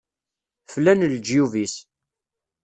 Flan leǧyub-is.